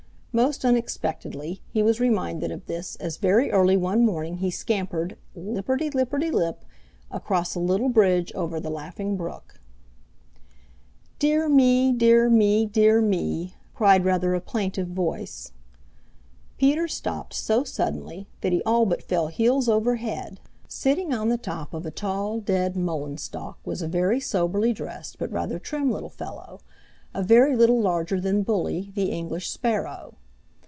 Most unexpectedly he was reminded of this as very early one morning he scampered, lipperty lipperty lip, across a little bridge over the Laughing Brook. "Dear me! Dear me! Dear me!" cried rather a plaintive voice. Peter stopped so suddenly that he all but fell heels over head. Sitting on the top of a tall, dead, mullein stalk was a very soberly dressed but rather trim little fellow, a very little larger than Bully the English Sparrow.